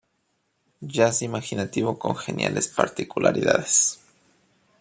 Jazz imaginativo con geniales particularidades".